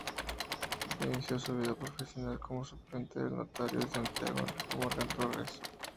Inició su vida profesional como suplente del notario de Santiago, Enrique Morgan Torres.